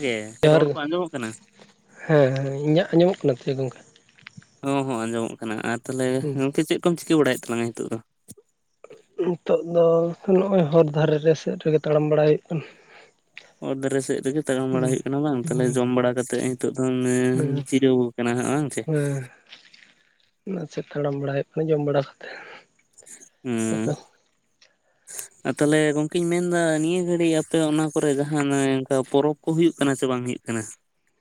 ᱜᱮ ᱨᱚᱲ ᱠᱚ ᱟᱸᱡᱚᱢᱚᱜ ᱠᱟᱱᱟ, ᱦᱮᱸ ᱦᱮᱸ ᱤᱧᱟᱹᱜ ᱟᱸᱡᱚᱢᱚᱜ ᱠᱟᱱᱟ ᱜᱚᱝᱠᱮ᱾ ᱩᱸ ᱦᱚᱸ ᱟᱸᱡᱚᱢᱚᱜ ᱠᱟᱱᱟ ᱟᱨ ᱛᱟᱦᱚᱞᱮ ᱦᱩᱸ ᱜᱚᱝᱠᱮ ᱪᱮᱫ ᱠᱚᱢ ᱪᱤᱠᱟᱹ ᱵᱟᱲᱟᱭᱮᱫ ᱛᱟᱞᱟᱝᱼᱟ ᱧᱤᱛᱚᱜ ᱫᱚ, ᱧᱤᱛᱚᱜ ᱫᱚ ᱱᱚᱜᱼᱚᱭ ᱦᱚᱨ ᱫᱷᱟᱨᱮ ᱨᱮ ᱥᱮᱫ ᱨᱮᱜᱮ ᱛᱟᱲᱟᱢ ᱵᱟᱲᱟᱭ ᱦᱩᱭᱩᱜ ᱠᱟᱱᱟ᱾ ᱚᱨ ᱫᱟᱨᱮ ᱥᱮᱫ ᱨᱮᱜᱮ ᱛᱟᱲᱟᱢ ᱵᱟᱲᱟ ᱦᱩᱭᱩᱜ ᱠᱟᱱᱟ ᱵᱟᱝ ᱛᱟᱦᱚᱞᱮ ᱦᱩᱸ ᱡᱚᱢ ᱵᱟᱲᱟ ᱠᱟᱛᱮᱫ ᱤᱧᱼᱼ ᱱᱤᱛᱚᱜ ᱫᱚ ᱢᱟᱱᱮ ᱦᱩᱸ ᱪᱤᱨᱟᱹᱣ ᱠᱟᱱᱟ ᱦᱟᱜ ᱵᱟᱝ ᱥᱮ᱾ ᱱᱟᱥᱮ ᱛᱟᱲᱟᱢ ᱵᱟᱲᱟ ᱦᱩᱭᱩᱜ ᱠᱟᱱᱟ ᱡᱚᱢ ᱵᱟᱲᱟ ᱠᱟᱛᱮᱜ᱾ ᱦᱩᱸᱻ ᱛᱟᱦᱚᱞᱮ ᱜᱚᱝᱠᱮᱧ ᱢᱮᱱᱫᱟ ᱱᱤᱭᱟᱹ ᱜᱷᱟᱹᱲᱤᱡ ᱟᱯᱮ ᱚᱱᱟ ᱠᱚᱨᱮ ᱡᱟᱦᱟᱱ ᱚᱱᱠᱟ ᱯᱚᱨᱚᱵᱽ ᱠᱩ ᱦᱩᱭᱩᱜ ᱠᱟᱱᱟ ᱥᱮ ᱵᱟᱝ ᱦᱩᱭᱩᱜ ᱠᱟᱱᱟ?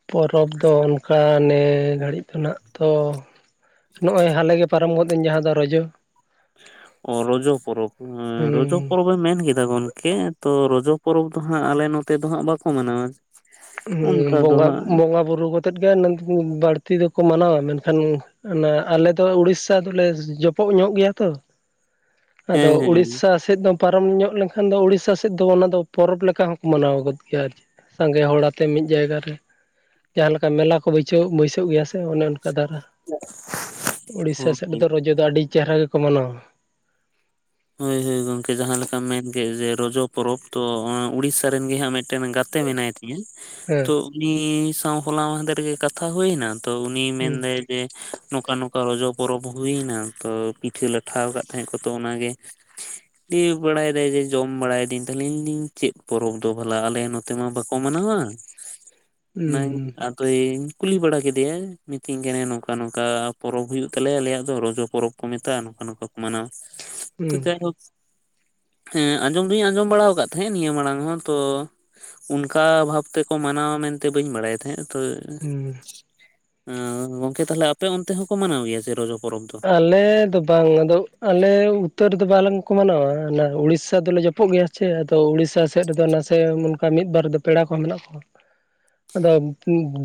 ᱯᱚᱨᱚᱵᱽ ᱫᱚ ᱚᱱᱠᱟ ᱱᱮ ᱜᱷᱟᱹᱲᱤᱡ ᱫᱚ ᱱᱟᱜ ᱛᱚ ᱱᱚᱜᱼᱚᱭ ᱦᱟᱞᱮ ᱜᱮ ᱯᱟᱨᱚᱢ ᱜᱚᱫ ᱮᱱ ᱡᱟᱦᱟᱸ ᱫᱚ ᱨᱚᱡᱚ᱾ ᱚ ᱨᱚᱡᱚ ᱯᱚᱨᱚᱵᱽ ᱮᱸᱻ ᱦᱩᱸ ᱨᱚᱡᱚ ᱯᱚᱨᱚᱵ ᱮᱢ ᱢᱮᱱ ᱠᱮᱫᱟ ᱜᱚᱝᱠᱮ ᱛᱚ ᱨᱚᱡᱚ ᱯᱚᱨᱚᱵᱽ ᱫᱚ ᱦᱟᱸᱜ ᱟᱞᱮ ᱱᱚᱛᱮ ᱫᱚ ᱦᱟᱸᱜ ᱵᱟᱠᱩ ᱢᱟᱱᱟᱣᱟ᱾ ᱦᱸ ᱚᱱᱠᱟ ᱫᱚ ᱵᱚᱸᱜᱟ ᱦᱟᱸᱜ ᱵᱚᱸᱜᱟ ᱵᱩᱨᱩ ᱠᱟᱛᱮᱜ ᱜᱮ ᱱᱟᱹᱢ ᱵᱟᱹᱲᱛᱤ ᱫᱚᱠᱚ ᱢᱟᱱᱟᱣᱟ ᱢᱮᱱ ᱠᱷᱟᱱ ᱚᱱᱟ ᱟᱞᱮ ᱫᱚ ᱩᱲᱤᱥᱥᱟ ᱫᱚᱼᱞᱮ ᱡᱚᱯᱚᱜ ᱧᱚᱜ ᱜᱮᱭᱟ ᱛᱚ᱾ ᱟᱫᱚ ᱦᱮᱸ ᱦᱮᱸ ᱩᱤᱲᱥᱟᱥ ᱥᱮᱫ ᱫᱚ ᱯᱟᱨᱚᱢ ᱧᱚᱜ ᱞᱮᱱ ᱠᱷᱟᱱ ᱫᱚ ᱩᱤᱲᱥᱟ ᱥᱮᱫ ᱫᱚ ᱚᱱᱟ ᱫᱚ ᱯᱚᱨᱚᱵᱽ ᱞᱮᱠᱟ ᱦᱚᱸᱠᱚ ᱢᱟᱱᱟᱣ ᱜᱚᱫ ᱜᱮᱭᱟ ᱟᱨᱠᱤ᱾ ᱥᱟᱸᱜᱮ ᱦᱚᱲ ᱟᱛᱮ ᱢᱤᱫ ᱡᱟᱭᱜᱟ ᱨᱮ ᱡᱟᱦᱟᱸ ᱞᱮᱠᱟ ᱢᱮᱞᱟ ᱠᱩ ᱵᱟᱹᱭᱥᱣ ᱵᱟᱹᱭᱥᱟᱹᱣ ᱜᱮᱭᱟ ᱥᱮ ᱚᱱᱮ ᱚᱱᱠ ᱠᱟᱫᱟᱨᱟ ᱩᱲᱤᱥᱟ ᱥᱮᱫ ᱨᱮ ᱦᱳᱭ ᱫᱚ ᱨᱚᱡᱚ ᱫᱚ ᱟᱰᱤ ᱪᱮᱦᱮᱨᱟ ᱜᱮ ᱠᱚ ᱢᱟᱱᱟᱣᱟ᱾ ᱦᱳᱭ ᱦᱳᱭ ᱜᱚᱝᱠᱮ ᱡᱟᱦᱟᱸ ᱞᱮᱠᱟᱢ ᱢᱮᱱ ᱠᱮᱫ ᱡᱮ ᱨᱚᱡᱚ ᱯᱚᱨᱚᱵᱽ ᱛᱚ ᱚᱸᱻᱟ ᱩᱲᱤᱥᱥᱟ ᱨᱮᱱ ᱜᱮ ᱦᱟᱸᱜ ᱢᱤᱫᱴ ᱴᱮᱱ ᱜᱟᱛᱮ ᱢᱮᱱᱟᱭ ᱛᱤᱧᱟᱹ ᱦᱮᱸ ᱛᱚ ᱩᱱᱤ ᱥᱟᱶ ᱦᱚᱞᱟ ᱢᱟᱱᱦᱫᱷᱮᱨ ᱜᱮ ᱠᱟᱛᱷᱟ ᱦᱩᱭᱱᱟ ᱛᱚ ᱩᱱᱤᱭ ᱦᱩᱸ ᱢᱮᱱᱫᱟᱭ ᱡᱮ ᱱᱚᱝᱠᱟ ᱱᱚᱝᱠᱟ ᱨᱚᱡᱚ ᱯᱚᱨᱚᱵᱽ ᱦᱩᱭᱱᱟ ᱛᱚ ᱯᱤᱴᱷᱟᱹ ᱞᱟᱴᱷᱟᱣ ᱠᱟᱫ ᱛᱟᱦᱮᱸ ᱠᱚ ᱛᱚ ᱚᱱᱟ ᱜᱮ ᱴᱤᱣ ᱵᱟᱲᱟᱭ ᱫᱟᱭ ᱡᱮ ᱡᱚᱢ ᱵᱟᱲᱟᱭᱫᱤᱹᱧ ᱛᱟᱦᱚᱞᱮᱧ ᱫᱤᱧ ᱪᱮᱫ ᱯᱚᱨᱚᱵᱽ ᱫᱚ ᱵᱷᱟᱞᱟ ᱟᱞᱮ ᱱᱚᱛᱮ ᱢᱟ ᱵᱟᱠᱚ ᱢᱟᱱᱟᱣᱟ᱾ [inaudible] ᱱᱟ ᱟ [unintelligible] ᱫᱚᱭᱤᱧ ᱠᱩᱞᱤ ᱵᱟᱲᱟ ᱠᱮᱫᱮᱭᱭᱟ ᱢᱤᱛᱟᱹᱧ ᱠᱟᱱᱟ ᱱᱚᱝᱠᱟ ᱱᱚᱝᱠᱟ ᱯᱚᱨᱚᱵᱽ ᱦᱩᱭᱩᱜ ᱛᱟᱞᱮᱭᱟ ᱟᱞᱮᱭᱟᱜ ᱫᱚ ᱨᱚᱡᱚ ᱯᱚᱨᱚᱵᱽ ᱠᱚ ᱢᱮᱛᱟᱜᱼᱟ ᱱᱚᱝᱠᱟ ᱱᱚᱝᱠᱟ ᱠᱩ ᱢᱟᱱᱟᱣᱟ᱾ ᱛᱚ ᱦᱩᱸ ᱡᱟᱭᱦᱳᱠ ᱦᱮᱸ ᱟᱸᱡᱚᱢ ᱫᱩᱧ ᱟᱸᱡᱚᱢ ᱵᱟᱲᱟ ᱟᱠᱟᱫ ᱛᱟᱦᱮᱸᱫ ᱱᱤᱭᱟᱹ ᱢᱟᱲᱟᱝ ᱦᱚᱸ ᱛᱚ ᱚᱱᱠᱟ ᱵᱷᱟᱵ ᱛᱮ ᱠᱚ ᱢᱟᱱᱟᱣᱟ ᱢᱮᱱᱛᱮ ᱵᱟᱹᱧ ᱵᱟᱲᱟᱭ ᱛᱟᱦᱮᱸᱫ ᱟ᱾ ᱛᱳ ᱦᱩᱸ ᱟᱸ ᱜᱚᱝᱠᱮ ᱛᱟᱦᱚᱞᱮ ᱟᱯᱮ ᱚᱱᱛᱮ ᱦᱚᱸᱠᱚ ᱢᱟᱱᱟᱣ ᱜᱮᱭᱟ ᱡᱮ ᱨᱚᱡᱚ ᱯᱚᱨᱚᱵᱽ ᱫᱚ? ᱟᱞᱮ ᱫᱚ ᱵᱟᱝ ᱟᱫᱚ ᱟᱞᱮ ᱩᱛᱛᱚᱨ ᱫᱚ ᱵᱟᱞᱟᱝ ᱠᱚ ᱢᱟᱱᱟᱣᱟ, ᱚᱱᱟ ᱩᱲᱤᱥᱥᱟ ᱫᱚᱞᱮ ᱡᱚᱯᱚᱜ ᱜᱮᱭᱟ ᱥᱮ ᱟᱫᱚ ᱩᱲᱤᱥᱥᱟ ᱥᱮᱫ ᱨᱮ ᱫᱚ ᱱᱟᱥᱮ ᱚᱱᱠᱟ ᱢᱤᱫ ᱵᱟᱨ ᱨᱮ ᱫᱚ ᱯᱮᱲᱟ ᱠᱚᱦᱚᱸ ᱢᱮᱱᱟᱜ ᱠᱚᱣᱟ᱾ ᱟᱫᱚ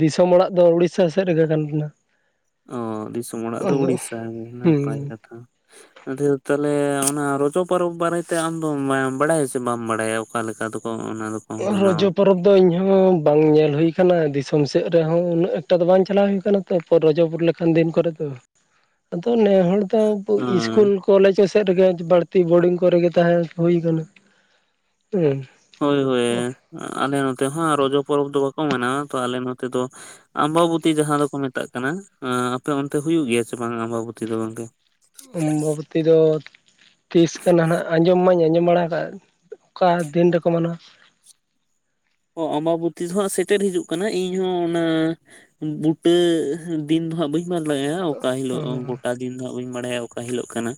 ᱫᱤᱥᱚᱢ ᱚᱲᱟᱜ ᱫᱚ ᱩᱲᱤᱥᱥᱟ ᱥᱮᱫ ᱨᱮ ᱜᱮ ᱠᱟᱱ ᱛᱟᱦᱮᱱᱟ᱾ ᱚᱻ ᱫᱤᱥᱚᱢ ᱚᱲᱟᱜ ᱫᱚ ᱟᱫᱚ ᱩᱲᱤᱥᱥᱟ ᱜᱮ ᱦᱩᱸ ᱱᱟᱯᱟᱭ ᱠᱟᱛᱷᱟ᱾ ᱚᱱᱛᱮ ᱫᱚ ᱛᱟᱦᱞᱮ ᱚᱱᱟ ᱨᱚᱡᱚ ᱯᱚᱨᱚᱵᱽ ᱵᱟᱨᱮᱛᱮ ᱟᱢ ᱫᱚᱢ ᱵᱟᱲᱟᱭᱟ ᱥᱮ ᱵᱟᱢ ᱵᱟᱲᱟᱭᱟ᱾ ᱚᱠᱟ ᱞᱮᱠᱟ ᱫᱚ ᱠᱚ ᱚᱱᱟ ᱫᱚ ᱚ ᱨᱚᱡᱚ ᱯᱚᱨᱚᱵᱽ ᱫᱚ ᱤᱧ ᱦᱚᱸ ᱵᱟᱝ ᱧᱮᱞ ᱦᱩᱭᱩ ᱟᱠᱟᱱᱟ, ᱫᱤᱥᱚᱢ ᱥᱮᱫ ᱨᱮᱦᱚᱸ ᱩᱱᱟᱹᱜ ᱮᱠᱴᱟ ᱫᱚ ᱵᱟᱝ ᱪᱟᱞᱟᱣ ᱦᱩᱭ ᱟᱠᱟᱱᱟ᱾ ᱛᱟᱯᱚᱨ ᱨᱚᱡᱚ ᱞᱮᱠᱟᱱ ᱫᱤᱱ ᱠᱚᱨᱮ ᱫᱚ ᱟᱫᱚ ᱚᱱᱮ ᱦᱚᱲ ᱫᱚ ᱦᱮᱸ ᱤᱥᱠᱩᱞ ᱠᱚᱞᱮᱡ ᱥᱮᱫ ᱨᱮ ᱜᱮ ᱵᱟᱲᱛᱤ ᱵᱳᱰᱤᱝ ᱠᱚᱨᱮᱜ ᱜᱮ ᱛᱟᱦᱮᱸ ᱦᱩᱭ ᱟᱠᱟᱱᱟ᱾ ᱦᱩᱸ ᱦᱳᱭᱼᱦᱳᱭ ᱟᱞᱮ ᱱᱚᱛᱮ ᱦᱚᱸ ᱨᱚᱡᱚ ᱯᱚᱨᱚᱵᱽ ᱫᱚ ᱵᱟᱠᱚ ᱢᱟᱱᱟᱣᱟ ᱛᱚ ᱟᱞᱮ ᱱᱚᱛᱮ ᱫᱚ ᱟᱢᱵᱟᱵᱚᱛᱤ ᱡᱟᱦᱟᱸ ᱫᱚ ᱠᱚ ᱢᱮᱛᱟᱜ ᱠᱟᱱᱟ᱾ ᱟᱸ ᱟᱯᱮ ᱚᱱᱛᱮ ᱦᱩᱭᱩᱜ ᱜᱮᱭᱟ ᱥᱮ ᱵᱟᱝ ᱟᱢᱵᱟᱵᱚᱛᱤ ᱫᱚ ᱜᱚᱝᱠᱮ? ᱚᱢᱵᱟᱵᱛᱤ ᱫᱚ ᱛᱤᱥ ᱠᱟᱱᱟ ᱱᱟᱦᱟᱜ ᱟᱸᱡᱚᱢ ᱢᱟᱧ ᱟᱸᱡᱚᱢ ᱵᱟᱲᱟ ᱟᱠᱟᱫ, ᱚᱠᱟ ᱫᱤᱱ ᱨᱮᱠᱚ ᱢᱟᱱᱟᱣᱟ᱾ ᱚ ᱚᱢᱵᱟᱵᱚᱛᱤ ᱫᱚ ᱦᱟᱜ ᱥᱮᱴᱮᱨ ᱦᱤᱡᱩᱜ ᱠᱟᱱᱟ ᱤᱧ ᱦᱚᱸ ᱚᱱᱟ ᱵᱩᱴᱟᱹ ᱫᱤᱱ ᱫᱚᱦᱟᱸᱜ ᱵᱟᱹᱧ ᱞᱟᱹᱭ ᱚᱠᱟ ᱦᱤᱞᱳ ᱜᱚᱴᱟ ᱦᱩᱸ ᱫᱤᱱ ᱫᱚ ᱵᱟᱹᱧ ᱵᱟᱲᱟᱭᱟ ᱚᱠᱟ ᱦᱤᱞᱳᱜ ᱠᱟᱱᱟ᱾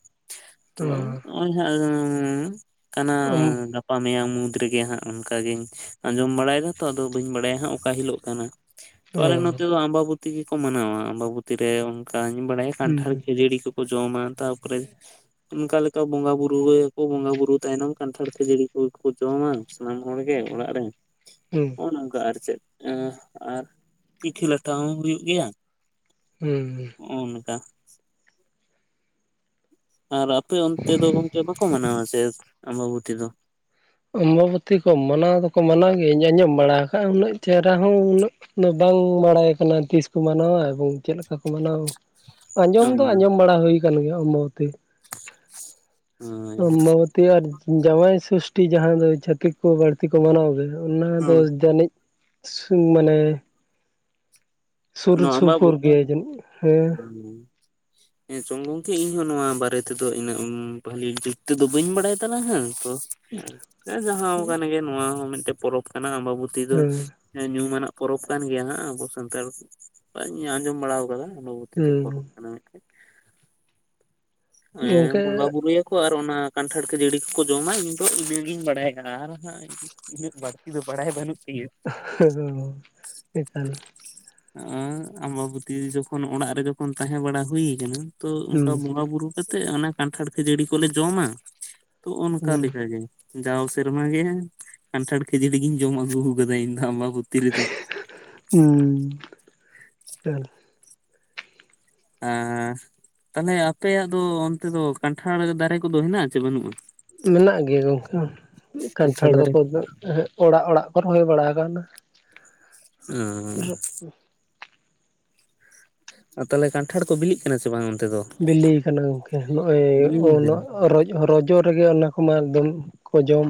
ᱛᱚ ᱱᱚᱜᱼᱚᱭ ᱦᱟᱸᱜ ᱠᱟᱱᱟ ᱦᱩᱸ ᱜᱟᱯᱟ ᱢᱮᱭᱟᱝ ᱢᱩᱫᱽ ᱨᱮᱜᱮ ᱦᱟᱸᱜ ᱚᱱᱠᱟ ᱜᱤᱧ ᱟᱸᱡᱚᱢ ᱵᱟᱲᱟᱭ ᱫᱟ ᱛᱚ ᱟᱫᱚ ᱵᱟᱹᱧ ᱵᱟᱲᱟᱭᱟ ᱦᱟᱸᱜ ᱚᱠᱟ ᱦᱤᱞᱳᱜ ᱠᱟᱱᱟ᱾ ᱛᱚ ᱟᱞᱮ ᱱᱚᱛᱮ ᱫᱚ ᱟᱢᱵᱟᱵᱤᱛᱤ ᱛᱮᱜᱮᱠᱚ ᱢᱟᱱᱟᱣᱟ ᱟᱢᱵᱟᱵᱚᱛᱤ ᱨᱮ ᱚᱱᱠᱟᱧ ᱵᱟᱲᱟᱭᱟ ᱦᱩᱸ ᱠᱟᱱᱴᱷᱟᱲ ᱦᱩᱸ ᱠᱷᱟᱹᱡᱟᱹᱲᱤ ᱠᱚᱠᱚ ᱡᱚᱢᱟ ᱛᱟᱯᱚᱨᱮᱼᱼ ᱚᱱᱠᱟ ᱞᱮᱠᱟ ᱵᱚᱸᱜᱟ ᱵᱩᱨᱩᱭᱟᱠᱚ ᱵᱚᱸᱜᱟ ᱵᱩᱨᱩ ᱛᱟᱭᱱᱚᱢ ᱠᱟᱱᱴᱷᱟᱲ ᱥᱮ ᱡᱟᱹᱲᱤ ᱠᱚᱠᱚ ᱡᱚᱢᱟ᱾ ᱥᱟᱱᱟᱢ ᱦᱚᱲ ᱜᱮ ᱚᱲᱟᱜ ᱨᱮᱼᱼ ᱦᱮᱸ ᱠᱟ ᱟᱨ ᱪᱮᱫ ᱟᱨ ᱯᱤᱴᱷᱟᱹ ᱞᱟᱴᱷᱟ ᱦᱚᱸ ᱦᱩᱭᱩᱜ ᱜᱮᱭᱟ᱾ ᱦᱮᱸᱸ ᱚᱱᱠᱟ ᱟᱨ ᱟᱯᱮ ᱚᱱᱛᱮ ᱫᱚ ᱜᱚᱝᱠᱮ ᱵᱟᱠᱚ ᱢᱟᱱᱟᱣᱟ ᱥᱮ ᱟᱢᱵᱟᱵᱚᱛᱤ ᱫᱚ? ᱟᱢᱵᱟᱵᱚᱛᱤ ᱠᱚ ᱢᱟᱱᱟᱣ ᱫᱚᱠᱚ ᱢᱟᱱᱟᱣ ᱜᱤᱧ ᱟᱸᱡᱚᱢ ᱵᱟᱲᱟ ᱟᱠᱟᱜᱼᱟ ᱩᱱᱟᱹᱜ ᱪᱮᱦᱨᱟ ᱦᱚᱸ ᱩᱱᱟᱹᱜᱼᱼ ᱵᱟᱝ ᱵᱟᱲᱟᱭ ᱠᱟᱱᱟ ᱛᱤᱥᱠᱚ ᱢᱟᱱᱟᱣ ᱜᱚᱢᱠᱮ ᱪᱮᱫ ᱞᱮᱠᱟ ᱠᱚ ᱢᱟᱱᱟᱣ ᱟᱸᱡᱚᱢ ᱫᱚ ᱟᱸᱡᱚᱢ ᱵᱟᱲᱟ ᱦᱩᱭ ᱟᱠᱟᱱ ᱜᱮᱭᱟ ᱟᱵᱟᱵᱚᱛᱤ᱾ ᱟᱢᱵᱟᱵᱚᱛᱤ ᱟᱨ ᱡᱟᱶᱟᱭ ᱥᱩᱥᱼᱼ ᱪᱷᱴᱤ ᱡᱟᱦᱟᱸ ᱫᱚ ᱪᱷᱟᱹᱛᱤᱠ ᱠᱚ ᱵᱟᱹᱲᱛᱤ ᱠᱚ ᱢᱟᱱᱟᱣ ᱜᱮ ᱚᱱᱟ ᱫᱚ ᱦᱳᱭ ᱡᱟᱹᱱᱤᱡ ᱢᱟᱱᱮᱼᱼ ᱱᱚᱣᱟ ᱥᱩᱯᱩᱨ ᱟᱵᱟᱵᱩᱛᱤᱼᱼ ᱜᱮᱭᱟ ᱡᱟᱹᱱᱤᱡ ᱦᱮᱸ ᱦᱮᱸᱪᱚᱝ ᱜᱚᱝᱠᱮ ᱤᱧᱦᱚ ᱱᱚᱣᱟ ᱵᱟᱨᱮ ᱛᱮᱫᱚ ᱤᱱᱟᱹᱜ ᱵᱷᱟᱹᱞᱤ ᱡᱩᱜ ᱛᱮᱫᱚ ᱵᱟᱹᱧ ᱵᱟᱲᱟᱭ ᱦᱮ ᱛᱚᱼᱼ ᱡᱟᱦᱟᱸ ᱠᱟᱱ ᱜᱮ ᱱᱚᱣᱟ ᱦᱚᱸ ᱢᱤᱫᱴᱮᱱ ᱯᱚᱨᱚᱵᱽ ᱠᱟᱱᱟ ᱟᱢᱵᱟᱵᱚᱛᱤ ᱫᱚ᱾ ᱦᱮᱸ ᱧᱩᱢᱟᱱᱟᱜ ᱯᱚᱨᱚᱵᱽ ᱠᱟᱱ ᱜᱮᱭᱟ ᱦᱟᱸᱜ ᱟᱵᱚ ᱥᱟᱱᱛᱟᱲ ᱠᱚᱣᱟᱜ ᱟᱸᱡᱚᱢ ᱵᱟᱲᱟ ᱟᱠᱟᱫᱟ ᱚᱱᱟ ᱟᱵᱟᱵᱩᱛᱤ ᱦᱮᱸ [unintelligible] ᱯᱚᱨᱚᱵᱽ ᱠᱟᱱᱟ ᱢᱤᱫᱼᱼ ᱜᱚᱝᱠᱮ ᱵᱚᱸᱜᱟ ᱵᱩᱨᱩ ᱭᱟᱼᱼ ᱟᱨ ᱚᱱᱟ ᱠᱟᱱᱴᱷᱟᱲ ᱠᱷᱟᱹᱡᱟᱹᱲᱤ ᱠᱚᱠᱚ ᱡᱚᱢᱟ ᱤᱧ ᱫᱚ ᱤᱱᱟᱹᱜᱤᱧ ᱵᱟᱲᱟᱭᱟ ᱟᱨ ᱦᱟᱜ᱾ ᱤᱱᱟᱹᱜ ᱵᱟᱹᱲᱛᱤ ᱫᱚ ᱵᱟᱲᱟᱭ ᱵᱟᱹᱱᱩᱜ ᱛᱤᱧᱟᱹ [unintelligible] ᱮᱠᱟᱞ ᱟᱢᱵᱟᱵᱚᱛᱤ ᱡᱚᱠᱷᱚᱱ ᱚᱲᱟᱜ ᱨᱮ ᱡᱚᱠᱷᱚᱱ ᱛᱟᱦᱮᱸ ᱵᱟᱲᱟ ᱦᱩᱭ ᱠᱟᱱᱟ᱾ ᱛᱚ ᱚᱱᱠᱟ ᱦᱩᱸ ᱵᱚᱸᱜᱟ ᱵᱩᱨᱩ ᱠᱟᱛᱮᱜ ᱚᱱᱟ ᱠᱟᱱᱴᱷᱟᱲ ᱠᱷᱟᱹᱡᱟᱹᱲᱤ ᱠᱚᱞᱮ ᱡᱚᱢᱟ ᱛᱚ ᱚᱱᱠᱟ ᱦᱩᱸ ᱞᱮᱠᱟ ᱜᱮᱼᱼ ᱡᱟᱣ ᱥᱮᱨᱢᱟ ᱜᱮ ᱠᱟᱱᱴᱷᱟᱲ ᱠᱷᱟᱹᱡᱟᱹᱲᱤ ᱜᱤᱧ ᱡᱚᱢ ᱟᱹᱜᱩ ᱟᱠᱟᱫᱟ ᱤᱧ ᱫᱚ ᱟᱢᱵᱟᱵᱚᱛᱤ ᱨᱮᱫᱚᱼᱼ [unintelligible] ᱦᱩᱸ ᱛᱟᱦᱚᱞᱮ ᱟᱯᱮᱭᱟᱜ ᱫᱚ ᱚᱱᱛᱮ ᱫᱚ ᱠᱟᱱᱴᱷᱟᱲ ᱫᱟᱨᱮ ᱠᱚᱫᱚ ᱦᱮᱱᱟᱜ ᱟᱥᱮ ᱵᱟᱹᱱᱩᱜᱼᱟ᱾ ᱢᱮᱱᱟᱜ ᱜᱮᱭᱟ ᱜᱚᱝᱠᱮ ᱠᱟᱱᱴᱷᱟᱲ ᱫᱟᱨᱮ ᱫᱚᱠᱚᱼᱼ ᱠᱚ ᱚᱲᱟᱜ ᱚᱲᱟᱜ ᱠᱚ ᱨᱚᱦᱚᱭ ᱵᱟᱲᱟ ᱟᱠᱟᱱᱟ᱾ ᱚᱻ ᱦᱮᱸ ᱟᱨ ᱛᱟᱦᱚᱞᱮ ᱠᱟᱱᱴᱷᱟᱲ ᱠᱚ ᱵᱤᱞᱤᱜ ᱠᱟᱱᱟ ᱥᱮ ᱵᱟᱝ ᱚᱱᱛᱮ ᱫᱚ? ᱵᱤᱞᱤᱭᱟ ᱠᱟᱱᱟ ᱜᱚᱢᱠᱮ ᱵᱤᱞᱤ ᱠᱟᱱᱟ ᱱᱚᱜᱼᱚᱭ ᱨᱚᱡᱚᱜ ᱨᱮᱜᱮ ᱚᱱᱟ ᱠᱚᱢᱟ ᱮᱠᱫᱚᱢᱼᱼ ᱠᱚ ᱡᱚᱢ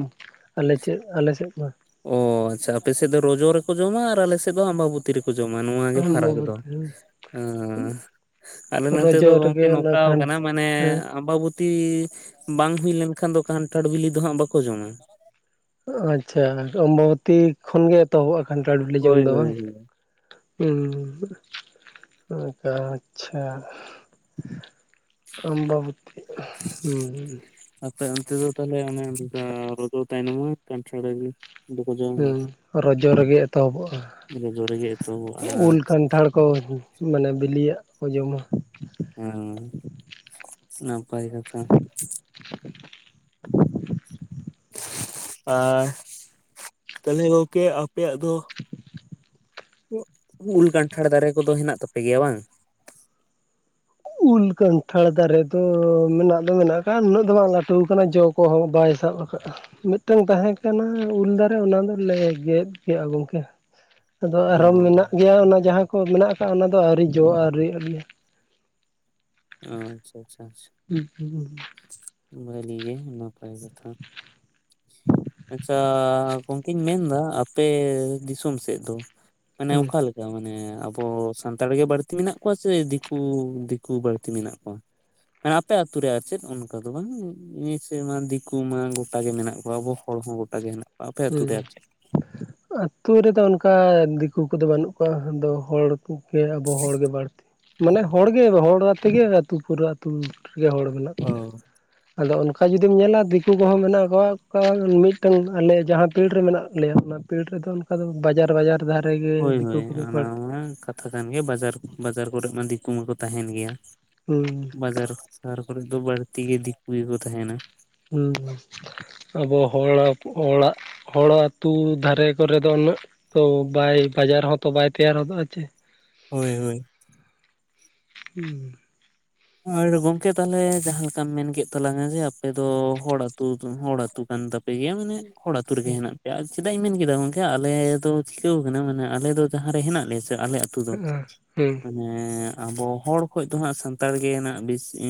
ᱟᱞᱮ ᱪᱮᱫ ᱟᱞᱮ ᱥᱮᱫ ᱢᱟ ᱚ ᱟᱪᱪᱷᱟ ᱟᱯᱮᱥᱮᱫ ᱫᱚ ᱨᱚᱡᱚ ᱨᱮᱠᱚ ᱡᱚᱢᱟ ᱟᱨ ᱟᱞᱮ ᱥᱮᱫ ᱫᱚ ᱟᱢᱵᱟᱵᱩᱛᱤᱼᱼ ᱛᱤ ᱨᱮᱠᱚ ᱡᱚᱢᱟ ᱱᱚᱣᱟ ᱜᱮ ᱯᱷᱟᱨᱟᱠ ᱫᱚ ᱚᱢᱵᱚᱵᱚᱛᱤ ᱟᱞᱮ ᱱᱚᱛᱮ ᱫᱚ ᱨᱚᱡᱚ ᱜᱚᱝᱠᱮ ᱨᱮᱜᱮ ᱱᱚᱝᱠᱟ ᱚᱱᱟ ᱠᱷᱟᱱ ᱟᱠᱟᱱᱟ ᱢᱟᱱᱮ ᱦᱮᱸ ᱟᱢᱵᱟᱵᱩᱼᱼ ᱛᱤ ᱵᱟᱝ ᱦᱩᱭ ᱞᱮᱱᱠᱷᱟᱱ ᱫᱚ ᱠᱟᱱᱴᱷᱟᱲ ᱵᱤᱞᱤ ᱫᱚ ᱦᱟᱸᱜ ᱵᱟᱠᱚ ᱡᱚᱢᱟ ᱟᱪᱪᱷᱟ ᱚᱢᱵᱟᱵᱚᱛᱤ ᱠᱷᱚᱱᱜᱮ ᱮᱛᱚᱦᱚᱵᱼᱟ ᱠᱟᱱᱟᱱᱴᱟ ᱵᱤᱞᱤ ᱡᱚᱢ ᱦᱳᱭ ᱫᱚ ᱦᱳᱭ ᱵᱟᱝ? ᱦᱳᱭ, ᱦᱩᱸ ᱚᱱᱠᱟ ᱟᱪᱪᱷᱟ ᱟᱢᱵᱟᱵᱚᱛᱤ ᱦᱩᱸᱼᱼ ᱟᱪᱪᱷᱟ ᱚᱱᱛᱮ ᱫᱚ ᱛᱟᱦᱚᱞᱮ ᱚᱱᱮ ᱚᱱᱠᱟ ᱨᱚᱡᱚ ᱛᱟᱭᱱᱚᱢ ᱢᱟ ᱠᱟᱱᱴᱷᱟᱲᱼᱼ ᱦᱮᱸ ᱨᱚᱡᱚ ᱨᱮᱜᱮ ᱮᱛᱚᱦᱚᱵᱚᱜᱼᱟ ᱨᱚᱡᱚ ᱨᱮᱜᱮ ᱮᱛᱚᱦᱚᱵᱚᱜᱼᱟ ᱩᱞ ᱠᱟᱱᱴᱷᱟᱲ ᱦᱳᱭ ᱦᱳᱭ ᱢᱟᱱᱮ ᱵᱤᱞᱤᱭᱟᱜ ᱠᱚ ᱡᱚᱢᱟ ᱦᱮᱸ ᱱᱟᱯᱟᱭ ᱠᱟᱛᱷᱟ [inaudible] ᱟ ᱛᱟᱦᱚᱞᱮ ᱜᱚᱝᱠᱮ ᱟᱯᱮᱭᱟᱜ ᱫᱚ ᱩᱞ ᱠᱟᱱᱟᱴᱷᱟᱲ ᱫᱟᱨᱮ ᱠᱚᱫᱚ ᱦᱮᱱᱟᱜ ᱛᱟᱯᱮ ᱜᱮᱭᱟ ᱵᱟᱝ ᱩᱞ ᱠᱟᱱᱴᱷᱟᱲ ᱫᱟᱨᱮ ᱫᱚ ᱢᱮᱱᱟᱜ ᱫᱚ ᱢᱮᱱᱟᱜ ᱠᱟᱜ-ᱟ ᱩᱱᱟᱹᱜ ᱫᱚ ᱵᱟᱝ ᱞᱟᱹᱴᱩ ᱠᱟᱱᱟ ᱡᱚ ᱠᱚᱦᱚᱸ ᱵᱟᱭ ᱥᱟᱵ ᱠᱟᱜ ᱼᱟ ᱢᱤᱫᱴᱟᱝ ᱛᱟᱦᱮᱸ ᱠᱟᱱᱟ ᱩᱞ ᱫᱟᱨᱮ ᱚᱱᱟ ᱫᱚᱞᱮ ᱜᱮᱫ ᱠᱮᱜᱼᱟ ᱜᱚᱝᱠᱮ ᱟᱫᱚ ᱚ ᱟᱨᱦᱚᱸ ᱢᱮᱱᱟᱜ ᱜᱮᱭᱟ ᱚᱱᱟ ᱡᱟᱦᱟᱸ ᱠᱚ ᱢᱮᱱᱟᱜ ᱠᱟᱫ ᱚᱱᱟ ᱫᱚ ᱟᱹᱣᱨᱤ ᱡᱚ ᱟᱹᱣᱨᱤ ᱚ ᱟᱪᱪᱷᱟ ᱟᱪᱷᱟ ᱟᱪᱷᱟ ᱦᱩᱸ ᱦᱩᱸ ᱵᱷᱟ. ᱞᱤ ᱜᱮ ᱱᱟᱯᱟᱭ ᱠᱟᱛᱷᱟ ᱟᱪᱪᱷᱟ ᱜᱚᱝᱠᱮᱧ ᱢᱮᱱᱫᱟ ᱟᱯᱮ ᱫᱤᱥᱚᱢ ᱥᱮᱫ ᱫᱚ ᱢᱟᱱᱮ ᱦᱩᱸ ᱚᱠᱟᱞᱮᱠᱟ ᱢᱟᱱᱮ ᱟᱵᱚ ᱥᱟᱱᱛᱟᱲ ᱜᱮ ᱵᱟᱹᱲᱛᱤ ᱢᱮᱱᱟᱜ ᱠᱚᱣᱟ ᱥᱮ ᱫᱤᱠᱩ ᱫᱤᱠᱩ ᱵᱟᱹᱲᱛᱤ ᱢᱮᱱᱟᱜ ᱠᱚᱣᱟ ᱢᱟᱱᱮ ᱟᱯᱮ ᱟᱹᱛᱩ ᱨᱮ ᱟᱨ ᱪᱮᱫ ᱚᱱᱠᱟ ᱫᱚ ᱵᱟᱝ [unintelligible] ᱢᱟ ᱫᱤᱠᱩ ᱢᱟ ᱜᱚᱴᱟ ᱜᱮ ᱢᱮᱱᱟᱜ ᱠᱚᱣᱟ ᱟᱵᱚ ᱦᱚᱲ ᱦᱚᱸ ᱜᱚᱴᱟ ᱜᱮ ᱦᱮᱱᱟᱜ ᱠᱚᱣᱟ ᱟᱯᱮ ᱟᱛᱩ ᱦᱩᱸ ᱨᱮ ᱟᱨ ᱪᱮᱫ ᱟᱛᱳ ᱨᱮᱫᱚ ᱚᱱᱠᱟ ᱫᱤᱠᱩ ᱠᱚᱫᱚ ᱵᱟᱹᱱᱩᱜ ᱠᱚᱣᱟ ᱟᱫᱚ ᱦᱚᱲ ᱠᱚ ᱜᱮ ᱟᱵᱚ ᱦᱚᱲᱜᱮ ᱵᱟᱹᱲ ᱢᱟᱱᱮ ᱦᱚᱲᱜᱮ ᱦᱚᱲ ᱟᱛᱮᱜᱮ ᱟᱹᱛᱩ ᱯᱩᱨᱟᱹ ᱟᱹᱛᱩ ᱨᱮᱜᱮ ᱦᱚᱲ ᱢᱮᱱᱟᱜ ᱠᱚᱣᱟ ᱚ ᱟᱫᱚ ᱚᱱᱠᱟ ᱡᱩᱫᱤᱢ ᱧᱮᱞᱟ ᱫᱤᱠᱩ ᱠᱚᱦᱚᱸ ᱢᱮᱱᱟᱜ ᱠᱚᱣᱟ ᱢᱤᱫᱴᱟᱝ ᱟᱞᱮ ᱡᱟᱦᱟᱸ ᱯᱤᱲ ᱨᱮ ᱢᱮᱱᱟᱜ ᱞᱮᱭᱟ ᱚᱱᱟ ᱯᱤᱲ ᱨᱮᱫᱚ ᱚᱱᱠᱟ ᱫᱚ ᱵᱟᱡᱟᱨ ᱵᱟᱡᱟᱨ ᱫᱷᱟᱨᱮ ᱜᱮ ᱦᱳᱭ ᱫᱤᱠᱩ ᱦᱳᱭ ᱠᱚᱫᱚ ᱚᱱᱟ ᱵᱟᱹᱲᱛᱤ ᱢᱟ ᱠᱟᱛᱷᱟ ᱠᱟᱱ ᱜᱮᱭᱟ ᱵᱟᱡᱟᱨ ᱵᱟᱡᱟᱨ ᱠᱚᱨᱮᱜ ᱢᱟ ᱫᱤᱠᱩ ᱢᱟᱠᱚ ᱛᱟᱦᱮᱱ ᱜᱮᱭᱟ ᱦᱩᱸ ᱵᱟᱡᱟᱨ ᱥᱟᱦᱟᱨ ᱠᱚᱨᱮ ᱫᱚ ᱵᱟᱹᱲᱛᱤ ᱜᱮ ᱫᱤᱠᱩ ᱜᱮᱠᱚ ᱛᱟᱦᱮᱱᱟ ᱦᱩᱸ ᱟᱵᱚ ᱦᱚᱲᱟᱜ-ᱦᱚᱲᱟᱜ ᱦᱚᱲ ᱟ. ᱛᱩ ᱫᱷᱟᱨᱮ ᱠᱚᱨᱮ ᱫᱚ ᱩᱱᱟᱹᱜ ᱛᱚ ᱵᱟᱭ ᱵᱟᱡᱟᱨ ᱦᱚᱸ ᱛᱚ ᱵᱟᱭ ᱛᱮᱭᱟᱨ ᱦᱚᱫᱚᱜᱼᱟ ᱪᱮ- ᱦᱳᱭ ᱦᱳᱭ ᱦᱩᱸ ᱟᱨ ᱜᱚᱝᱠᱮ ᱛᱟᱦᱚᱞᱮ ᱡᱟᱦᱟ ᱞᱮᱠᱟᱢ ᱢᱮᱱᱠᱮᱫ ᱛᱟᱞᱟᱝᱟ ᱡᱮ ᱟᱯᱮ ᱫᱚ ᱦᱚᱲ ᱟ. ᱛᱩ ᱦᱚᱲ ᱟᱹᱛᱩ ᱠᱟᱱ ᱛᱟᱯ- ᱯᱮ ᱜᱮᱭᱟ ᱢᱟᱱᱮ ᱦᱚᱲ ᱟᱛᱳ ᱨᱮᱜᱮᱡ ᱦᱮᱱᱟᱜ ᱯᱮᱭᱟ ᱪᱮᱫᱟᱜ ᱤᱧ ᱢᱮᱱ ᱠᱮᱫᱟ ᱜᱚᱝᱠᱮ ᱟᱞᱮ ᱫᱚ ᱪᱤᱠᱟᱹᱣ ᱠᱟᱱᱟ ᱢᱟᱱᱮ ᱟᱞᱮ ᱫᱚ ᱡᱟᱦᱟᱸ ᱨᱮ ᱦᱮᱱᱟᱜ ᱞᱮᱭᱟ ᱥᱮ ᱟᱞᱮ ᱟ. ᱛᱩ ᱫᱚ ᱦᱩᱸ ᱢᱟᱱᱮ ᱟᱵᱚ ᱦᱚᱲ ᱠᱷᱚᱡ ᱫᱚ ᱦᱟᱸᱜ ᱥᱟᱱᱛᱟᱲ ᱜᱮ ᱱᱟᱜ ᱵᱮᱥᱤ ᱮ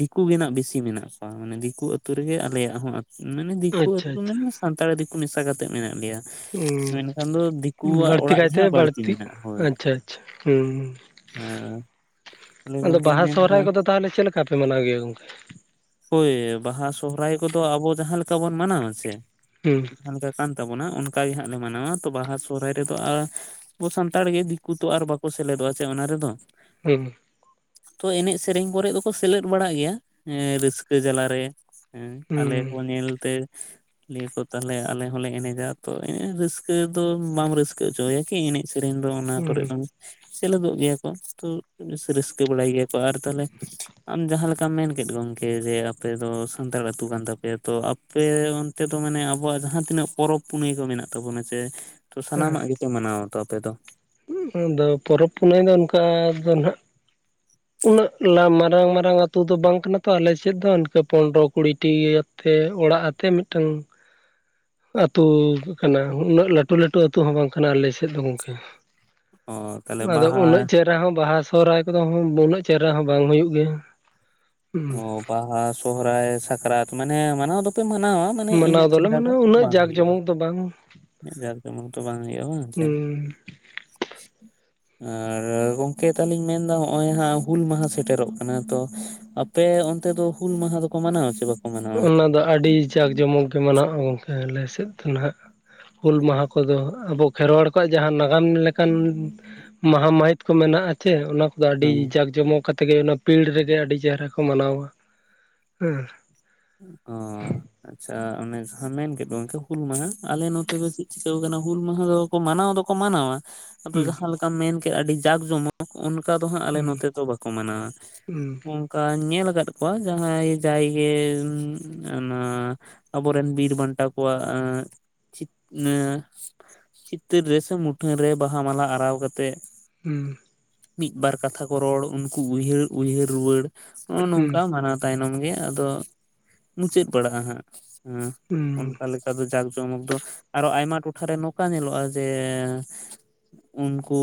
ᱫᱤᱠᱩ ᱜᱮᱱᱟᱜ ᱵᱮᱥᱤ ᱢᱮᱱᱟᱜ ᱠᱚᱣᱟ ᱢᱟᱱᱮ ᱫᱤᱠᱩ ᱟᱹᱛᱩ ᱨᱮᱜᱮ ᱟᱞᱮᱭᱟᱜ ᱦᱚᱸ ᱟᱹᱛᱩ ᱢᱟᱱᱮ ᱫᱤᱠᱩ ᱟᱪᱪᱷᱟ ᱟᱹᱛᱩ ᱢᱮᱱ ᱟᱪᱪᱷᱟ ᱥᱟᱱᱛᱟᱲᱤ ᱫᱤᱠᱩ ᱢᱮᱥᱟ ᱠᱟᱛᱮᱜ ᱢᱮᱱᱟᱜ ᱞᱮᱭᱟ ᱦᱩᱸ ᱢᱮᱱᱠᱷᱟᱱ ᱫᱚ ᱫᱤᱠᱩᱣᱟᱜ ᱵᱟᱹᱲᱛᱤ ᱚᱲᱟᱜ ᱠᱟᱭᱛᱮ ᱜᱮᱦᱟᱸᱜ ᱵᱟᱹᱲᱛᱤ ᱢᱮᱱᱟᱜᱼᱟ ᱦᱳᱭ ᱟᱪᱪᱷᱟ ᱟᱪᱪᱷᱟ ᱦᱩᱸ ᱦᱮᱸ ᱟᱫᱚ ᱵᱟᱦᱟ ᱥᱚᱨᱦᱟᱭ ᱠᱚᱫᱚ ᱛᱟᱦᱚᱞᱮ ᱪᱮᱫᱞᱮᱠᱟ ᱯᱮ ᱢᱟᱱᱟᱣ ᱜᱮᱭᱟ ᱜᱚᱢᱠᱮ ᱦᱳᱭ ᱵᱟᱦᱟ ᱥᱚᱦᱨᱟᱭ ᱠᱚᱫᱚ ᱟᱵᱚ ᱡᱟᱦᱟᱸ ᱞᱮᱠᱟ ᱵᱚᱱ ᱢᱟᱱᱟᱣᱟᱥᱮ ᱦᱩᱸ [inaudible] ᱠᱟᱱ ᱛᱟᱵᱚᱱᱟ ᱚᱱᱠ ᱜᱮ ᱦᱟᱸᱜ ᱞᱮ ᱢᱟᱱᱟᱣᱟ ᱛᱚ ᱵᱟᱦᱟ ᱥᱚᱦᱨᱟᱭ ᱨᱮᱫᱚ ᱟᱨ ᱟᱵᱚ ᱥᱟᱱᱛᱟᱲ ᱜᱮ ᱫᱤᱠᱩ ᱟᱨ ᱵᱟᱠᱚ ᱥᱮᱞᱮᱫᱚᱜᱼᱟ ᱥᱮ ᱚᱱᱟ ᱨᱮᱫᱚ ᱦᱩᱸ ᱛᱚ ᱮᱱᱮᱡ ᱥᱮᱨᱮᱧ ᱠᱚᱨᱮ ᱫᱚᱠᱚ ᱥᱮᱞᱮᱫ ᱵᱟᱲᱟᱜ ᱜᱮᱭᱟ ᱨᱟᱹᱥᱠᱟᱹ ᱡᱟᱞᱟ ᱨᱮ ᱦᱮᱸ ᱦᱩᱸ ᱟᱞᱮ ᱠᱚ ᱧᱮᱞ ᱛᱮ ᱞᱟ. ᱭᱟ ᱠᱚ ᱛᱟᱦᱚᱞᱮ ᱟᱞᱮ ᱦᱚᱞᱮ ᱮᱱᱮᱡᱟ ᱛᱚ ᱮᱸ ᱨᱟᱹᱥᱠᱟᱹ ᱫᱚ ᱵᱟᱢ ᱨᱟᱹᱥᱠᱟᱹ ᱚᱪᱚ ᱟᱭᱟ ᱠᱤ ᱮᱱᱮᱡ ᱥᱮᱨᱮᱧ ᱫᱚ ᱚᱱᱟ ᱦᱩᱸ ᱠᱚᱨᱮ ᱫᱚ ᱥᱮᱞᱮᱫᱚᱜ ᱜᱮᱭᱟ ᱠᱚ ᱛᱚ ᱨᱟᱹᱥᱠᱟᱹ ᱵᱟᱲᱟᱭ ᱜᱮᱭᱟ ᱠᱚ, ᱟᱨ ᱛᱟᱦᱚᱞᱮ ᱟᱢ ᱡᱟᱦᱟᱸ ᱞᱮᱠᱟᱢ ᱢᱮᱱ ᱠᱮᱫ ᱜᱚᱝᱠᱮ ᱡᱮ ᱟᱯᱮ ᱫᱚ ᱥᱟᱱᱛᱟᱲ ᱟᱹᱛᱩ ᱠᱟᱱ ᱛᱟᱯᱮᱭᱟ ᱛᱚ ᱟ ᱯᱮ ᱚᱱᱛᱮ ᱫᱚ ᱢᱟᱱᱮ ᱟᱵᱚᱣᱟᱜ ᱡᱟᱦᱟᱸ ᱛᱤᱱᱟᱹᱜ ᱯᱚᱨᱚᱵᱽ ᱯᱩᱱᱟᱹᱭ ᱠᱚ ᱢᱮᱱᱟᱜ ᱛᱟᱵᱚᱱᱟ ᱡᱮ ᱛᱚ ᱥᱟᱱᱟᱢᱟᱜ ᱜᱮᱯᱮ ᱢᱟᱱᱟᱣᱟ ᱛᱚ ᱟᱯᱮ ᱫᱚ? ᱩᱸ ᱫᱚ ᱯᱚᱨᱚᱵ ᱯᱩᱨᱟᱹᱭ ᱫᱚ ᱚᱱᱠᱟ ᱫᱚ ᱱᱟᱦᱟᱸᱜ ᱩᱱᱟᱹᱜ ᱞᱟᱢ ᱢᱟᱨᱟᱝ ᱢᱟᱨᱟᱝ ᱟᱛᱩ ᱫᱚ ᱵᱟᱝ ᱠᱟᱱᱟ ᱛᱚ, ᱟᱞᱮ ᱥᱮᱫ ᱫᱚ ᱤᱱᱠᱟᱹ ᱯᱚᱱᱨᱚ ᱠᱩᱲᱤᱴᱤ ᱛᱮ ᱚᱲᱟᱜ ᱟᱛᱮ ᱢᱤᱫ ᱴᱟᱝ ᱟᱹᱛᱩ ᱠᱟᱱᱟ, ᱩᱱᱟᱹᱜ ᱞᱟᱹᱴᱩ ᱞᱟᱹᱴᱩ ᱟᱹᱛᱩ ᱦᱚᱸ ᱵᱟᱝ ᱠᱟᱱᱟ ᱟᱞᱮ ᱥᱮᱫ ᱫᱚ ᱜᱚᱝᱠᱮ᱾ ᱚ ᱛᱟᱦᱚᱞᱮ ᱟᱫᱚ ᱵᱟᱦᱟ ᱩᱱᱟᱹᱜ ᱪᱮᱦᱨᱟ ᱦᱚᱸ ᱵᱟᱦᱟ ᱥᱚᱦᱟᱭ ᱠᱚᱫᱚ ᱩᱱᱟᱹᱜ ᱪᱮᱨᱦᱟ ᱦᱚᱸ ᱵᱟᱝ ᱦᱩᱭᱩᱜ ᱜᱮᱭᱟ᱾ ᱦᱩᱸ ᱚᱸ ᱵᱟᱦᱟ ᱥᱚᱦᱨᱟᱭ ᱥᱟᱠᱨᱟᱛ ᱢᱟᱱᱮ ᱢᱟᱱᱟᱣ ᱫᱚᱯᱮ ᱢᱟᱱᱟᱣᱟ, ᱢᱟᱱᱮ ᱢᱟᱱᱟᱣ ᱤᱱᱟᱹᱜ ᱫᱚᱞᱮ ᱪᱮᱦᱨᱟ ᱢᱟᱱᱟ ᱩᱱᱟᱹᱜ ᱡᱟᱸᱠ ᱡᱚᱢᱚᱠ ᱫᱚ ᱵᱟᱝ᱾ ᱩᱱᱟᱹᱜ ᱡᱟᱠ ᱡᱚᱢᱚᱠ ᱫᱚ ᱵᱟᱝ ᱜᱮᱭᱟ ᱵᱟᱝ ᱪᱮ? ᱦᱩᱸ [inaudible] ᱟᱨ ᱜᱚᱝᱠᱮ ᱛᱟᱦᱞᱮᱧ ᱢᱮᱱ ᱫᱟ ᱦᱚᱸᱜᱼᱚᱭ ᱦᱟᱸᱜ ᱦᱩᱞ ᱢᱟᱦᱟ ᱥᱮᱴᱮᱨᱚᱜ ᱠᱟᱱᱟ ᱛᱚ ᱟᱯᱮ ᱚᱱᱛᱮ ᱫᱚ ᱦᱩᱞ ᱢᱟᱦᱟ ᱫᱚᱠᱚ ᱢᱟᱱᱟᱣᱟ ᱪᱮ ᱵᱟ ᱚᱱᱟ ᱫᱚ ᱟᱹᱰᱤ ᱡᱟᱠ ᱡᱚᱢᱚᱠ ᱜᱮ ᱢᱟᱱᱟᱜᱼᱟ ᱜᱚᱝᱠᱮ ᱟᱞᱮ ᱥᱮᱫ ᱫᱚ ᱱᱟᱦᱟᱸᱜ᱾ ᱦᱩᱞ ᱢᱟᱦᱟ ᱠᱚᱫᱚ ᱦᱟᱸᱜ ᱟᱵᱚ ᱠᱷᱮᱨᱣᱟᱲ ᱠᱚᱣᱟᱜ ᱡᱟᱦᱟᱸ ᱱᱟᱜᱟᱢ ᱞᱮᱠᱟᱱ ᱢᱟᱦᱟ ᱢᱟᱹᱦᱤᱛ ᱠᱚ ᱢᱮᱱᱟᱜᱼᱟ ᱟᱪᱮ, ᱚᱱᱟ ᱫᱚ ᱟᱹᱰᱤ ᱦᱮᱸ ᱡᱟᱠ ᱡᱚᱢᱚᱠ ᱠᱟᱛᱮ ᱜᱮ ᱚᱱᱟ ᱯᱤᱲ ᱨᱮᱜᱮ ᱟᱹᱰᱤ ᱪᱮᱦᱨᱟ ᱠᱚ ᱢᱟᱱᱟᱣᱟ ᱦᱮᱸ᱾ ᱩ ᱚ᱾ ᱟᱪᱪᱷᱟ ᱚᱱᱮ ᱠᱟᱛᱷᱟᱢ ᱢᱮᱱ ᱠᱮᱫ ᱫᱚ ᱜᱚᱝᱠᱮ ᱦᱩᱞ ᱢᱟᱦᱟ ᱟᱞᱮ ᱱᱚᱛᱮ ᱫᱚ ᱪᱮᱫ ᱪᱤᱠᱟᱹᱣ ᱟᱠᱟᱱᱟ ᱦᱩᱞ ᱢᱟᱦᱟ ᱫᱚ ᱠᱚ ᱢᱟᱱᱟᱣ ᱫᱚᱠᱚ ᱢᱟᱱᱟᱣᱟ, ᱟᱫᱚ ᱦᱩᱸ ᱡᱟᱦᱟᱸ ᱞᱮᱠᱟᱢ ᱢᱮᱱ ᱠᱮᱜ ᱟᱹᱰᱤ ᱡᱟᱠ ᱡᱚᱢᱚᱠ ᱚᱱᱠᱟ ᱫᱚ ᱦᱟᱸᱜ ᱟᱞᱮ ᱱᱚᱛᱮ ᱫᱚ ᱵᱟ ᱠᱚ ᱢᱟᱱᱟᱣᱟ ᱦᱩᱸ ᱚᱝᱠᱟ ᱧᱮᱞ ᱠᱟᱫ ᱠᱚᱣᱟ ᱡᱟᱦᱟᱸᱭ ᱡᱟᱭᱜᱮ ᱩᱸ ᱚᱱᱟ ᱟᱵᱚ ᱨᱮᱱ ᱵᱤᱨ ᱵᱟᱱᱴᱟ ᱠᱚᱣᱟᱜ ᱟᱸ ᱪᱤᱛ ᱧᱮ ᱪᱤᱛᱟᱹᱨ ᱨᱮᱥᱮ ᱢᱩᱴᱷᱟᱹᱱ ᱨᱮ ᱵᱟᱦᱟ ᱢᱟᱞᱟ ᱟᱨᱟᱣ ᱠᱟᱛᱮᱜ ᱦᱩᱸ᱾ ᱢᱤᱫ ᱵᱟᱨ ᱠᱟᱛᱷᱟ ᱠᱚ ᱨᱚᱲ ᱩᱱᱠᱩ ᱩᱭᱦᱟᱹᱨ ᱩᱭᱦᱟᱹᱨ ᱨᱩᱣᱟᱹᱲ ᱱᱚᱜᱼᱚ ᱦᱩᱸ ᱱᱚᱝᱠᱟ ᱢᱟᱱᱟ ᱛᱟᱭᱱᱚᱢ ᱜᱮ ᱟᱫᱚ ᱢᱩᱪᱟᱹᱫ ᱵᱟᱲᱟᱜᱼᱟ ᱦᱟᱸᱜ ᱟᱸ ᱦᱩᱸ ᱚᱱᱠᱟ ᱞᱮᱠᱟ ᱫᱚ ᱡᱟᱠ ᱡᱚᱢᱚᱠ ᱫᱚ ᱟᱨᱚ ᱟᱭᱢᱟ ᱴᱚᱴᱷᱟᱨᱮ ᱱᱚᱠᱟ ᱧᱮᱞᱚᱜᱼᱟ ᱡᱮ ᱩᱱᱠᱩ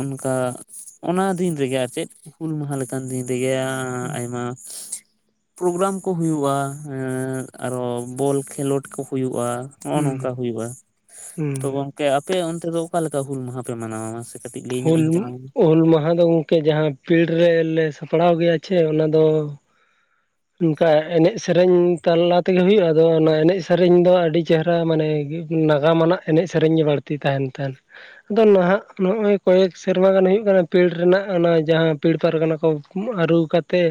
ᱚᱱᱠᱟ ᱚᱱᱟ ᱫᱤᱱ ᱨᱮᱜᱮ ᱟᱨ ᱪᱮᱫ ᱦᱩᱞ ᱢᱟᱦᱟ ᱞᱮᱠᱟᱱ ᱫᱤᱱ ᱨᱮᱜᱮ ᱟᱸ ᱦᱩᱸ ᱟᱭᱢᱟ ᱯᱨᱳᱜᱨᱟᱢ ᱠᱚ ᱦᱩᱭᱩᱭᱩᱜᱼᱟ᱾ ᱦᱮᱸ ᱟᱨᱚ ᱵᱚᱞ ᱠᱷᱮᱞᱳᱰ ᱠᱚ ᱦᱩᱭᱩᱜᱼᱟ ᱱᱚᱜᱼᱚ ᱱᱚᱝᱠᱟ ᱦᱩᱸ ᱦᱩᱭᱩᱜᱼᱟ᱾ ᱦᱩᱸ ᱛᱚ ᱜᱚᱝᱠᱮ ᱟᱯᱮ ᱚᱱᱛᱮ ᱫᱚ ᱚᱠᱟ ᱞᱮᱠᱟ ᱦᱩᱞ ᱢᱟᱦᱟ ᱯᱮ ᱢᱟᱱᱟᱣᱟ ᱢᱟᱥᱮ ᱠᱟᱹᱴᱤᱡ ᱞᱟᱹᱭ ᱧᱚᱜ ᱦᱩᱞ ᱤᱧ ᱛᱟᱞᱟᱝ ᱢᱮ ᱦᱩᱞ ᱢᱟᱦᱟ ᱫᱚ ᱜᱚᱝᱠᱮ ᱡᱟᱦᱟᱸ ᱯᱤᱲ ᱨᱮᱞᱮ ᱥᱟᱯᱲᱟᱣ ᱜᱮᱭᱟ ᱪᱷᱮ ᱚᱱᱟ ᱫᱚ ᱚᱱᱠᱟ ᱮᱱᱮᱡ ᱥᱮᱨᱮᱧ ᱛᱟᱞᱟ ᱛᱮᱜᱮ ᱦᱩᱭᱩᱜᱼᱟ, ᱟᱫᱚ ᱚᱱᱟ ᱮᱱᱮᱡᱽ ᱥᱮᱨᱮᱧ ᱫᱚ ᱟᱹᱰᱤ ᱪᱮᱦᱨᱟ ᱢᱟᱱᱮ ᱜᱮ ᱱᱟᱜᱟᱢ ᱟᱱᱟᱜ ᱮᱱᱮᱡ ᱥᱮᱨᱮᱧ ᱜᱮ ᱵᱟᱹᱲᱛᱤ ᱛᱟᱦᱮᱸᱧ ᱛᱟᱦᱮᱸᱱ᱾ ᱟᱫᱚ ᱱᱟᱦᱟᱸᱜ ᱱᱚᱜᱼᱚᱭ ᱠᱚᱭᱮᱠ ᱥᱮᱨᱢᱟ ᱜᱟᱱ ᱦᱩᱭᱩᱜ ᱠᱟᱱᱟ ᱯᱤᱲ ᱨᱮᱱᱟᱜ ᱚᱱᱟ ᱡᱟᱦᱟᱸ ᱯᱤᱲ ᱯᱟᱨᱜᱟᱱᱟ ᱠᱚ ᱟᱹᱨᱩ ᱠᱟᱛᱮ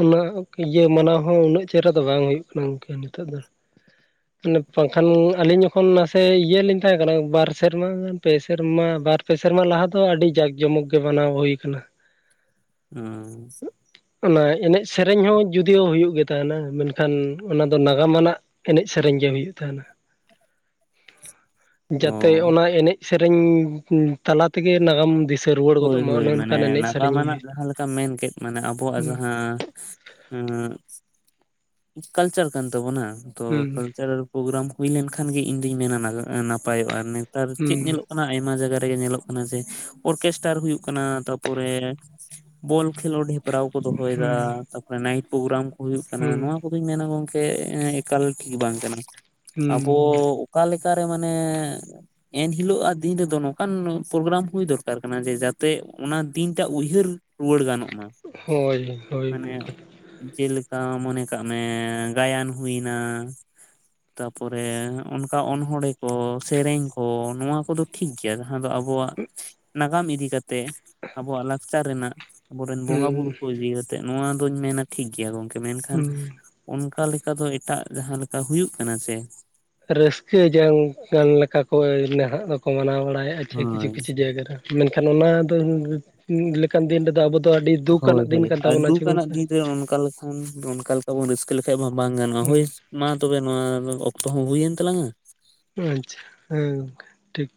ᱚᱱᱟ ᱤᱭᱟᱹ ᱢᱟᱱᱟᱣ ᱦᱚᱸ ᱩᱱᱟᱹᱜ ᱪᱮᱦᱨᱟ ᱫᱚ ᱵᱟᱝ ᱦᱩᱭᱩᱜ ᱠᱟᱱᱟ ᱜᱚᱝᱠᱮ ᱱᱤᱛᱚᱜ ᱫᱚ᱾ ᱚᱱᱮ ᱵᱟᱝ ᱠᱷᱟᱱ ᱟᱹᱞᱤᱧ ᱡᱚᱠᱷᱚᱱ ᱱᱟᱥᱮ ᱤᱭᱟᱹ ᱞᱤᱧ ᱛᱟᱦᱮᱸ ᱠᱟᱱᱟ, ᱵᱟᱨ ᱥᱮᱨᱢᱟ ᱜᱟᱱ ᱯᱮ ᱥᱮᱨᱢᱟ ᱵᱟᱨ ᱯᱮ ᱥᱮᱨᱢᱟ ᱞᱟᱦᱟ ᱫᱚ ᱟᱹᱰᱤ ᱡᱟᱠ ᱡᱚᱢᱚᱠ ᱜᱮ ᱵᱟᱱᱟᱣ ᱦᱩᱭ ᱠᱟᱱᱟ᱾ ᱟᱸ ᱚᱱᱟ ᱮᱱᱮᱡᱽ ᱥᱮᱨᱮᱧ ᱦᱚᱸ ᱡᱩᱫᱤᱭᱳ ᱦᱩᱭᱩᱜ ᱜᱮ ᱛᱟᱦᱮᱱᱟ ᱢᱮᱱ ᱠᱷᱟᱱ ᱚᱱᱟ ᱫᱚ ᱱᱟᱜᱟᱢ ᱟᱱᱟᱜ ᱮᱱᱮᱡᱽ ᱥᱮᱨᱮᱧ ᱜᱮ ᱦᱩᱭᱩᱜ ᱛᱟᱦᱮᱱᱟ᱾ [inaudible] ᱡᱟᱛᱮ ᱚ ᱚᱱᱟ ᱮᱱᱮᱡᱽ ᱥᱮᱨᱮᱧ ᱛᱟᱞᱟ ᱛᱮᱜᱮ ᱱᱟᱜᱟᱢ ᱫᱤᱥ ᱦᱳᱭ ᱦᱳᱭ ᱢᱟᱱᱮ ᱱᱟᱜᱟᱢᱟᱱᱟᱜ ᱡᱟᱦᱟᱸ ᱞᱮᱠᱟ ᱢᱮᱱ ᱠᱮᱫ ᱢᱟᱱᱮ ᱟᱵᱚᱣᱟᱜ ᱡᱟᱦᱟᱸ ᱮᱸ ᱠᱟᱞᱪᱟᱨ ᱠᱟᱱ ᱛᱟᱵᱚᱱᱟ ᱛᱚ ᱦᱩᱸ ᱠᱟᱞᱪᱟᱨᱟᱞ ᱯᱨᱳᱜᱨᱟᱢ ᱦᱩᱭ ᱞᱮᱱ ᱠᱷᱟᱱ ᱜᱮ ᱤᱧ ᱫᱩᱧ ᱢᱮᱱᱟ ᱱᱟᱜᱟ ᱱᱟᱯᱟᱭᱚᱜᱼᱟ ᱱᱮᱛᱟᱨ ᱪᱮᱫ ᱦᱩᱸ ᱧᱮᱞᱚᱜ ᱠᱟᱱᱟ ᱟᱭᱢᱟ ᱡᱟᱜᱟ ᱨᱮᱜᱮ ᱧᱮᱞᱚᱜ ᱠᱟᱱᱟ ᱡᱮ ᱚᱨᱠᱮᱥ ᱴᱟᱨ ᱦᱩᱭᱩᱜ ᱠᱟᱱᱟ ᱛᱟᱯᱚᱨᱮ ᱵᱚᱞ ᱠᱷᱮᱞᱳᱰ ᱦᱮᱯ ᱯᱨᱟᱣ ᱠᱚ ᱦᱩᱸ ᱦᱩᱸ ᱫᱚᱦᱚᱭᱮᱫᱟ ᱛᱟᱯᱚᱨᱮ ᱱᱟᱭᱤᱴ ᱯᱨᱳᱜᱨᱟᱢ ᱠᱚ ᱦᱩᱭᱩᱜ ᱠᱟᱱᱟ ᱦᱩᱸ ᱱᱚᱣᱟ ᱠᱚ ᱫᱚᱧ ᱢᱮᱱᱟ ᱜᱚᱝᱠᱮ ᱮᱠᱟᱞ ᱴᱷᱤᱠ ᱵᱟᱝ ᱠᱟᱱᱟ ᱟᱵᱚ ᱦᱩᱸ ᱚᱠᱟ ᱞᱮᱠᱟ ᱨᱮ ᱢᱟᱱᱮ ᱮᱱ ᱦᱤᱞᱳᱜᱼᱟ᱾ ᱫᱤᱱ ᱨᱮᱫᱚ ᱱᱚᱝᱠᱟᱱ ᱯᱨᱳᱜᱨᱟᱢ ᱦᱩᱭ ᱫᱚᱨᱠᱟᱨ ᱠᱟᱱᱟ ᱡᱮ ᱡᱟᱛᱮ ᱚᱱᱟ ᱫᱤᱱᱴᱟᱜ ᱩᱭᱦᱟᱹᱨ ᱨᱩᱣᱟᱹᱲ ᱜᱟᱱᱚᱜ ᱢᱟ ᱦᱳᱭ ᱦᱳᱭ ᱢᱟᱱᱮ ᱜᱚᱝᱠᱮ ᱡᱮᱞᱮᱠᱟ ᱢᱚᱱᱮ ᱠᱟᱜ ᱢᱮ ᱜᱟᱭᱟᱱ ᱦᱩᱭᱱᱟ ᱛᱟᱯᱚᱨᱮ ᱚᱱᱠᱟ ᱚᱱᱚᱲᱦᱮᱸ ᱠᱚ ᱥᱮᱨᱮᱧ ᱠᱚ ᱱᱚᱣᱟ ᱠᱚᱫᱚ ᱴᱷᱤᱠ ᱜᱮᱭᱟ ᱡᱟᱦᱟᱸ ᱫᱚ ᱟᱵᱚᱣᱟᱜ ᱱᱟᱜᱟᱢ ᱤᱫᱤ ᱠᱟᱛᱮ ᱟᱵᱚᱣᱟᱜ ᱞᱟᱠᱪᱟᱨ ᱨᱮᱱᱟᱜ ᱟᱵᱚᱨᱮᱱ ᱵᱚᱸᱜᱟ ᱦᱩᱸ ᱵᱩᱨᱩ ᱠᱚ ᱤᱫᱤ ᱠᱟ ᱛᱮᱜ ᱱᱚᱣᱟ ᱫᱚᱧ ᱢᱮᱱᱟ ᱴᱷᱤᱠ ᱜᱮᱭᱟ ᱜᱚᱝᱠᱮ ᱢᱮᱱᱠᱷᱟᱱ ᱦᱩᱸ ᱚᱱᱠᱟ ᱞᱮᱠᱟ ᱫᱚ ᱮᱴᱟᱜ ᱡᱟᱦᱟᱸ ᱞᱮᱠᱟ ᱦᱩᱭᱩᱜ ᱠᱟᱱᱟ ᱥᱮ ᱨᱟᱹᱥᱠᱟᱹ ᱡᱚᱝ ᱠᱟᱱ ᱞᱮᱠᱟ ᱠᱚ ᱱᱟᱦᱟᱜ ᱫᱚᱠᱚ ᱢᱟᱱᱟᱣ ᱵᱟᱲᱟᱭᱟ-ᱟ ᱴᱷᱤᱠ ᱠᱤᱪᱷᱩ ᱦᱳᱭ ᱠᱤᱪᱷᱩ ᱡᱟᱭᱜᱟ ᱨᱮ ᱢᱮᱱᱠᱷᱟᱱ ᱚᱱᱟ ᱫᱚ ᱢᱤᱫ ᱞᱮᱠᱟᱱ ᱫᱤᱱ ᱨᱮᱫᱚ ᱟᱵᱚ ᱫᱚ ᱟᱹᱰᱤ ᱫᱩᱠᱷ ᱟᱱᱟᱜ ᱫᱤᱱ ᱠᱟᱱ ᱛᱟᱵᱚᱱᱟ ᱪᱚ ᱜᱚᱝᱠᱮ ᱦᱟᱹᱭ ᱚᱱᱠᱟ ᱞᱮᱠᱷᱟᱱ ᱚᱱᱠᱟ ᱞᱮᱠᱟ ᱵᱚᱱ ᱨᱟᱹᱥᱠᱟᱹ ᱞᱮᱠᱷᱟᱡ ᱢᱟ ᱵᱟᱝ ᱜᱟᱱᱚᱜ-ᱟ ᱦᱩᱸ ᱦᱳᱭ ᱢᱟ ᱛᱚᱵᱮ ᱱᱚᱣᱟ ᱚᱠᱛᱚ ᱦᱚᱸ ᱦᱩᱭᱮᱱ ᱛᱟᱞᱟᱝᱼᱟ᱾ ᱟᱪᱪᱷᱟ ᱦᱮᱸ ᱜᱚᱝᱠᱮ ᱴᱷᱤᱠ